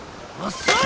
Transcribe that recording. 遅い！